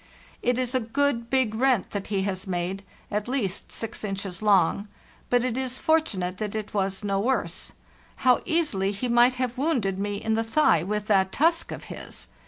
It is a good big rent that he has made, at least six inches long; but it is fortunate that it was no worse. How easily he might have wounded me in the thigh with that tusk of his!